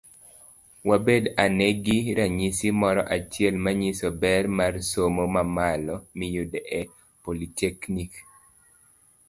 Wabed ane gi ranyisi moro achiel manyiso ber mar somo mamalo miyudo e politeknik.